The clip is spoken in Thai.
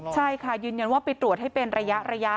ใช่ค่ะยืนยันว่าไปตรวจให้เป็นระยะ